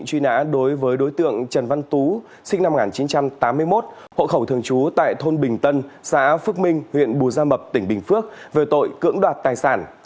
sinh năm một nghìn chín trăm tám mươi một hộ khẩu thường trú tại thôn bình tân xã phước minh huyện bùa gia mập tỉnh bình phước về tội cưỡng đoạt tài sản